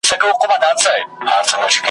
زه د محتسب په غلیمانو کي ښاغلی یم `